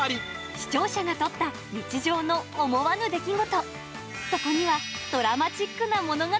視聴者が撮った日常の思わぬ出来事。